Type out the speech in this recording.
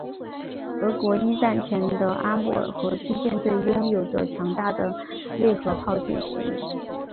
俄国一战前的阿穆尔河区舰队拥有着强大的内河炮舰实力。